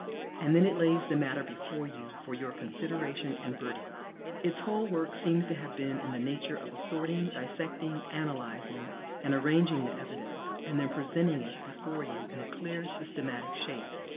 And then it lays the matter before you for your consideration and verdict. Its whole work seems to have been in the nature of assorting, dissecting, analyzing, and arranging the evidence, and then presenting it before you in a clear, systematic shape.